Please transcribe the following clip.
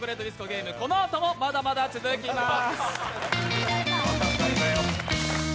ゲーム、このあともまだまだ続きます。